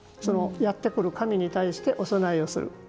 やってくる神に対してお供えをする。